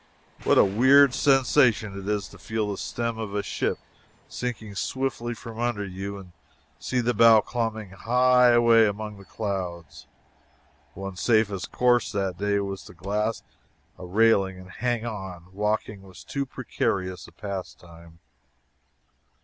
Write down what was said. What a weird sensation it is to feel the stern of a ship sinking swiftly from under you and see the bow climbing high away among the clouds! One's safest course that day was to clasp a railing and hang on; walking was too precarious a pastime.